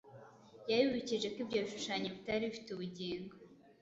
Yabibukije ko ibyo bishushanyo bitari bifite ubugingo,